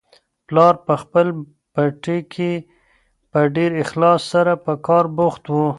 پلار په خپل پټي کې په ډېر اخلاص سره په کار بوخت و.